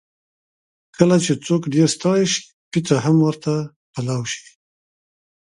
کله چې څوک ډېر ستړی شي، پېڅه هم ورته پلاو شي.